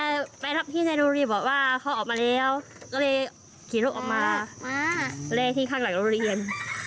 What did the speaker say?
ไล่ที่ข้างหลังโรงเรียน